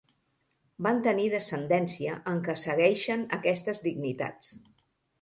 Van tenir descendència en què segueixen aquestes dignitats.